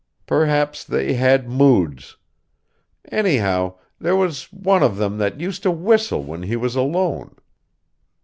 Perhaps they had moods. Anyhow, there was one of them that used to whistle when he was alone.